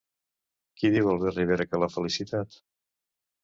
Qui diu Albert Rivera que l'ha felicitat?